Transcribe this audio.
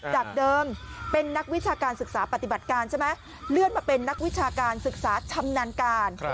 จากเดิมเป็นนักวิชาการศึกษาปฏิบัติการใช่ไหมเลื่อนมาเป็นนักวิชาการศึกษาชำนาญการ